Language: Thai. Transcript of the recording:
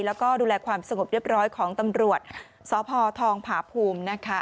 แล้วก็ดูแลความสงบเรียบร้อยของตำรวจสพทองผาภูมินะคะ